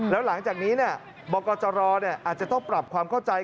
แล้วหลังจากนี้บกจรอาจจะต้องปรับความเข้าใจ